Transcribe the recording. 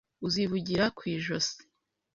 Uzivugira ku ijosi